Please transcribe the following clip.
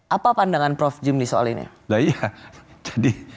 apa pandangan prof jimli soal ini